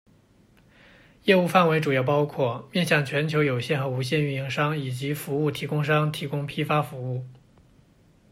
业务范围主要包括面向全球有线和无线运营商以及服务提供商提供批发服务。